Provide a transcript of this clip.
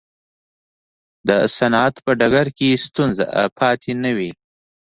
د صنعت په ډګر کې ستونزه پاتې نه وي.